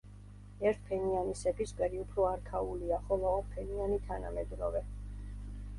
ერთ ფენიანი სეფისკვერი უფრო არქაულია, ხოლო ორ ფენიანი თანამედროვე.